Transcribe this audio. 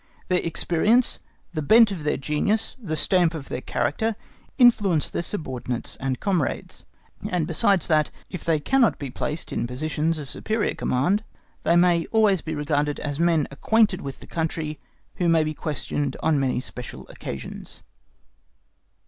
(*) Their experience, the bent of their genius, the stamp of their character, influence their subordinates and comrades; and besides that, if they cannot be placed in positions of superior command, they may always be regarded as men acquainted with the country, who may be questioned on many special occasions.